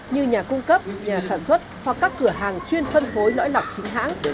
như nhà cung cấp nhà sản xuất hoặc các cửa hàng chuyên phân phối lõi lọc chính hãng